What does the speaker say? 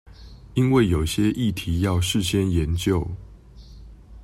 因為有些議題要事先研究